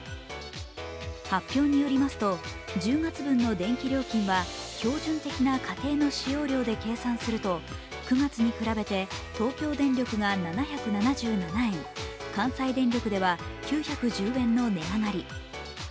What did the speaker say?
発表によりますと、１０月分の電気料金は標準的な家庭の使用量で計算すると９月に比べて東京電力が７７７円、関西電力では９１０円の値上がり。